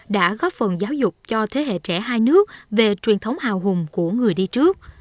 đã góp phần giáo dục cho thế hệ trẻ hai nước về truyền thống hào hùng của người đi trước